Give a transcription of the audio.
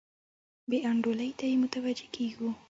بې انډولۍ ته یې متوجه کیږو.